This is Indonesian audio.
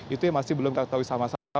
itu yang masih belum kita ketahui sama sama